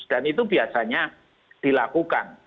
dan itu biasanya dilakukan